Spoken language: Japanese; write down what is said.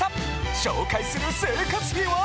紹介する生活費は？